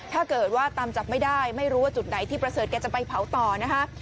ถ้าเกิดว่าตามจับไม่ได้ไม่รู้ว่าจุดไหนที่ประเสริฐแกจะไปเผาต่อนะคะ